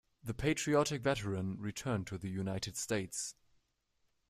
The patriotic veteran returned to the United States.